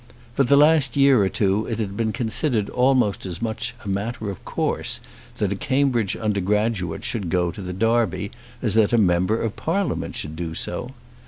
For the last year or two it had been considered almost as much a matter of course that a Cambridge undergraduate should go to the Derby as that a Member of Parliament should do so.